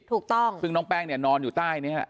ถูกต้องซึ่งน้องแป้งเนี่ยนอนอยู่ใต้นี้ฮะ